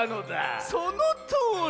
そのとおり！